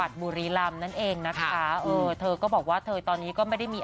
อันนี้ก็ดีค่ะถึงหลายคนตื่นตัวอยากฉีดบ้าง